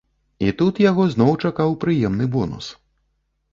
І тут яго зноў чакаў прыемны бонус.